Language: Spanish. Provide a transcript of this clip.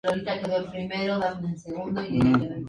Para que suban los adultos mayores y personas discapacitadas.